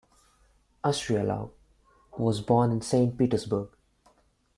Ustryalov was born in Saint Petersburg.